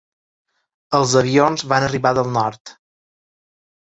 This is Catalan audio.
Els avions van arribar del Nord.